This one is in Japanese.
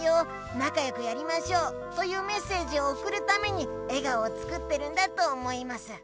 なかよくやりましょう」というメッセージをおくるために笑顔を作ってるんだと思います。